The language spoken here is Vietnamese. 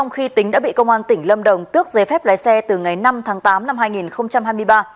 khi tính đã bị công an tỉnh lâm đồng tước giấy phép lái xe từ ngày năm tháng tám năm hai nghìn hai mươi ba